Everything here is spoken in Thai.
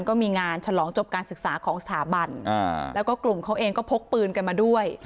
ก็มีงานฉลองจบการศึกษาของสถาบันแล้วก็กลุ่มเขาเองก็พกปืนกันมาด้วย